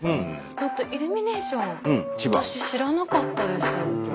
イルミネーション私知らなかったです。